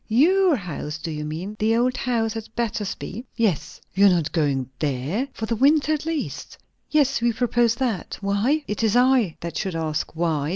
your house, do you mean? the old house at Battersby?" "Yes." "You are not going there? for the winter at least?" "Yes, we propose that. Why?" "It is I that should ask 'why.'